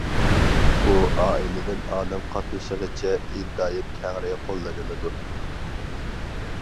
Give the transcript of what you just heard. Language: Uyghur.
ئۇ ئائىلىدىن ئالەم قاتنىشىغىچە ئىنتايىن كەڭرى قوللىنىلىدۇ.